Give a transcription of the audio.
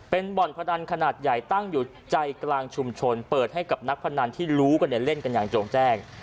เป็นบ่อนพนันขนาดใหญ่ตั้งอยู่ใจกลางชุมชนเปิดให้กับนักพนันที่รู้กันเนี่ยเล่นกันอย่างโจ่งแจ้ง